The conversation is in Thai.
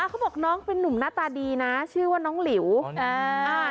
เขาบอกน้องเป็นนุ่มหน้าตาดีนะชื่อว่าน้องหลิวอ่า